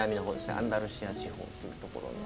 アンダルシア地方っていうところに。